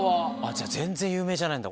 じゃあ全然有名じゃないんだ。